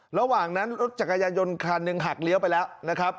ระหว่างนั้นรถจักรยายนคันหนึ่งหักเลี้ยวไปแล้วนะครับ